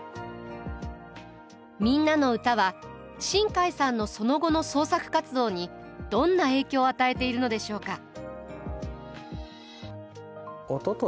「みんなのうた」は新海さんのその後の創作活動にどんな影響を与えているのでしょうか。